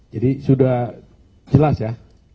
jadi sudah jelas ya